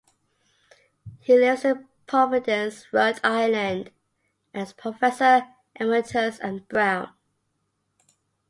He lives in Providence, Rhode Island, and is professor emeritus at Brown.